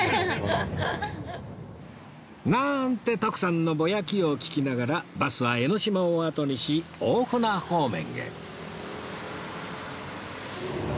なんて徳さんのぼやきを聞きながらバスは江の島をあとにし大船方面へ